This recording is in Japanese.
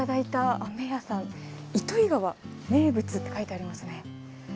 教えて「糸魚川名物」って書いてありますね。